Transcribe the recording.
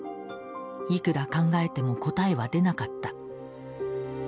いくら考えても答えは出なかった。